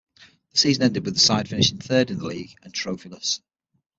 The season ended with the side finishing third in the league and trophyless.